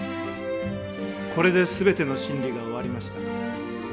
これで全ての審理が終わりました。